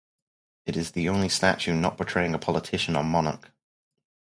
It is the only statue not portraying a politician or monarch.